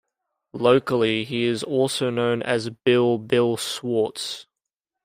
Locally he is also known as "Bill Bill" Swartz.